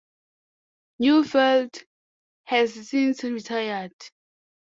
Neufeld has since retired.